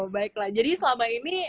baiklah jadi selama ini